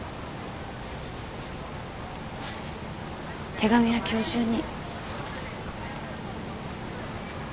手紙は今日中に。